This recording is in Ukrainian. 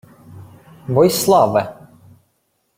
— Войславе!